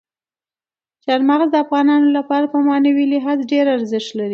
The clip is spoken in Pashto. چار مغز د افغانانو لپاره په معنوي لحاظ ډېر ارزښت لري.